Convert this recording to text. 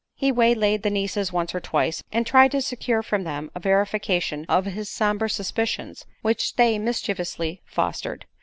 He waylaid the nieces once or twice, and tried to secure from them a verification of his somber suspicions, which they mischievously fostered.